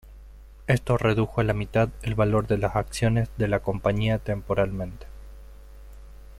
Esto redujo a la mitad el valor de las acciones de la compañía temporalmente.